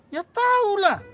ya tau lah